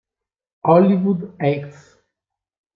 Hollywood Heights